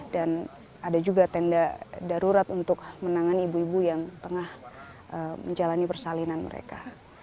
dan ada juga tenda darurat untuk menangani ibu ibu yang tengah menjalani persalinan mereka